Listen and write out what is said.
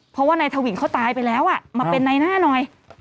เพราะว่านายทวินเขาตายไปแล้วมาเป็นในหน้าหน่อย